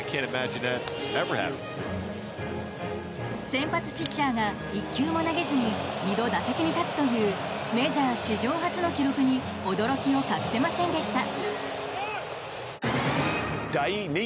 先発ピッチャーが１球も投げずに２度打席に立つというメジャー史上初の記録に驚きを隠せませんでした。